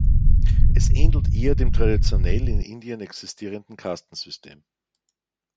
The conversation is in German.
Es ähnelt eher dem traditionell in Indien existierenden Kastensystem.